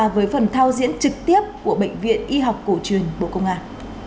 với phần thao diễn trực tiếp của bệnh viện y học cổ truyền bộ công an